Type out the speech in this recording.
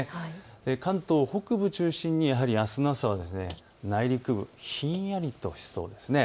関東北部中心にあすの朝は内陸部、ひんやりとしそうです。